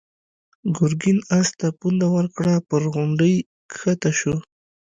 ګرګين آس ته پونده ورکړه، پر غونډۍ کښته شو.